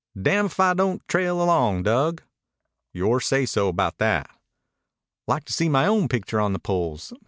"Damfidon't trail along, Dug." "Yore say so about that." "Like to see my own picture on the poles.